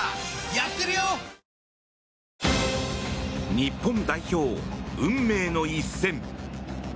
日本代表、運命の一戦。